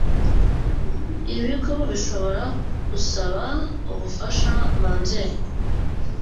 ibigo bishobora gusaba ubufasha mu nzego